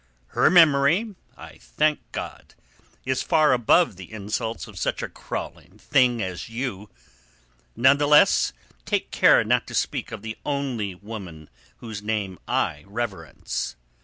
Her memory, I thank God, is far above the insults of such a crawling thing as you. None the less, take care not to speak of the only woman whose name I reverence."